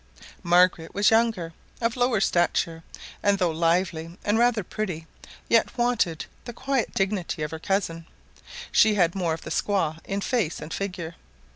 Margaret was younger, of lower stature, and though lively and rather pretty, yet wanted the quiet dignity of her cousin; she had more of the squaw in face and figure.